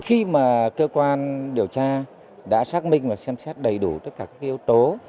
khi mà cơ quan điều tra đã xác minh và xem xét đầy đủ tất cả các yếu tố